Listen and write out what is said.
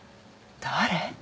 誰？